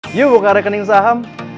yuk buka rekening saham